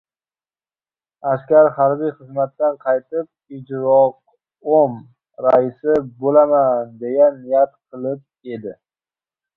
Askar harbiy xizmatdan qaytib, ijroqo‘m raisi bo‘laman, deya niyat qilib edi.